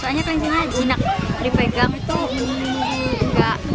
soalnya kelinci jinak dipegang itu enggak